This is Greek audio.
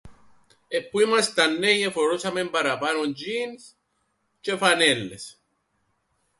Που ήμασταν νέοι εφορούσαμεν παραπάνω τζ̆ινς τζ̆αι φανέλλες